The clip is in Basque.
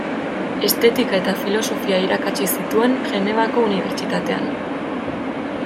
Estetika eta Filosofia irakatsi zituen Genevako Unibertsitatean.